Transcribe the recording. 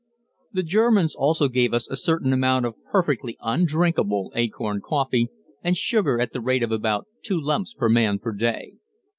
The Germans also gave us a certain amount of perfectly undrinkable acorn coffee, and sugar at the rate of about two lumps per man per day.